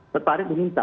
pak farid diminta